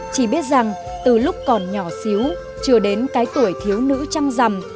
chỉ biết rằng từ lúc còn nhỏ xíu chưa đến cái tuổi thiếu nữ trăng rằm